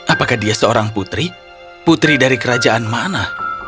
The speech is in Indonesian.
apakah dia seorang putri putri dari kerajaan mana